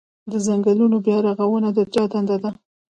د ځنګلونو بیا رغونه د چا دنده ده؟